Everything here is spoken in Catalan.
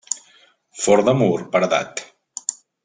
Forn de mur paredat.